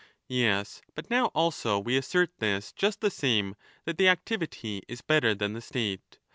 Yes, but now also we assert this just the same, ngo'' that the activity is better than the state.